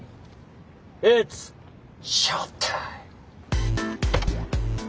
イッツショータイム！